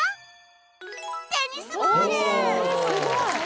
すごい。